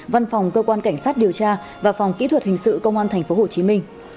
văn phòng cơ quan cảnh sát điều tra và phòng kỹ thuật hình sự công an tp hcm